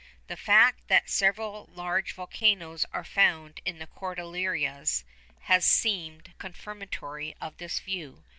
The fact that several large volcanoes are found in the Cordilleras has seemed confirmatory of this view.